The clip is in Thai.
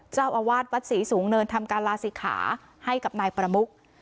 เจ้าอาวาสวัดศรีสูงเนินทำการลาศิขาให้กับนายประมุก